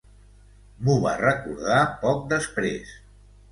M'ho va recordar poc després.